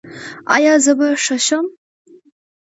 ایا زه به ښه شم؟